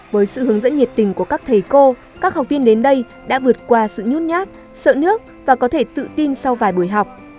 với sự hướng dẫn nhiệt tình của các thầy cô các học viên đến đây đã vượt qua sự nhút nhát sợ nước và có thể tự tin sau vài buổi học